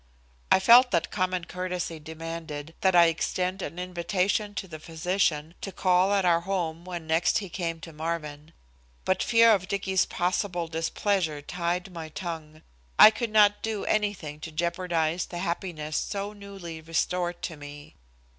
I felt that common courtesy demanded that I extend an invitation to the physician to call at our home when next he came to Marvin, but fear of Dicky's possible displeasure tied my tongue. I could not do anything to jeopardize the happiness so newly restored to me.